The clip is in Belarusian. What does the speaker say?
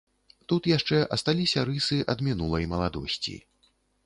Тут яшчэ асталіся рысы ад мінулай маладосці.